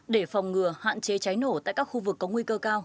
để phòng ngừa hạn chế cháy nổ tại các khu vực có nguy cơ cao